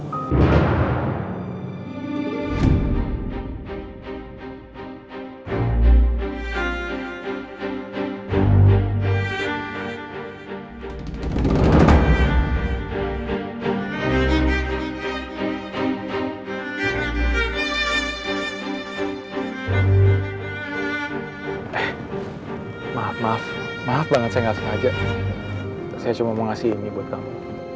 eh maaf maaf maaf banget saya gak sengaja saya cuma mau ngasih ini buat kamu